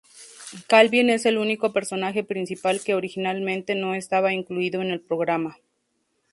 Calvin es el único personaje principal que originalmente no estaba incluido en el programa.